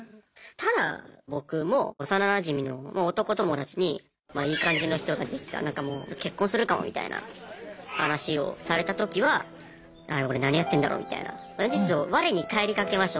ただ僕も幼なじみの男友達にいい感じの人ができたなんかもう結婚するかもみたいな話をされた時はああ俺何やってんだろうみたいな感じでちょっと我に返りかけました。